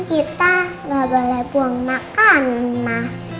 kan kita gak boleh buang makanan ma